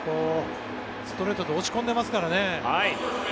ストレートで押し込んでますからね。